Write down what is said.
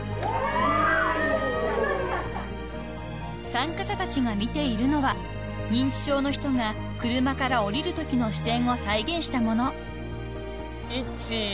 ［参加者たちが見ているのは認知症の人が車から降りるときの視点を再現したもの］